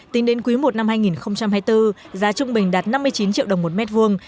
tính đến quý i năm hai nghìn hai mươi bốn giá trung bình đạt năm mươi chín triệu đồng một mét vuông